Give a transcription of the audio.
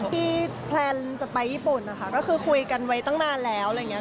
ที่แพลนจะไปญี่ปุ่นนะคะก็คือคุยกันไว้ตั้งนานแล้วอะไรอย่างนี้